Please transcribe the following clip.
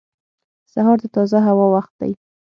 • سهار د تازه هوا وخت دی.